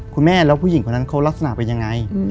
คุณแม่แล้วผู้หญิงคนนั้นเขาลักษณะเป็นยังไง